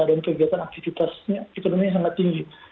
dan kegiatan aktivitas ekonomi sangat tinggi